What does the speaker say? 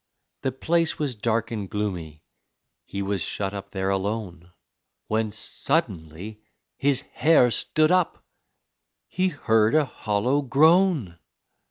The place was dark and gloomy he was shut up there alone, When suddenly his hair stood up! he heard a hollow groan!